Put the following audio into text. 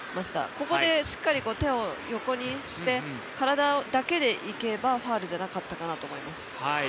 ここでしっかり手を横にして体だけでいけばファウルじゃなかったかなと思います。